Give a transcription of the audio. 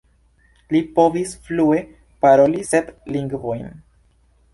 Li povis flue paroli sep lingvojn.